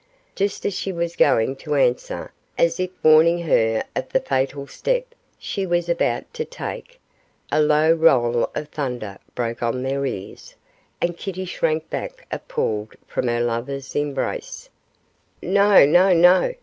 Just as she was going to answer, as if warning her of the fatal step she was about to take, a low roll of thunder broke on their ears, and Kitty shrank back appalled from her lover's embrace. 'No! no! no!